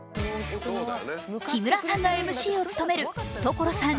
木村さんがＭＣを務める「所さん！